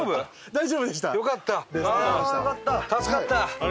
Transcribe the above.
よかった。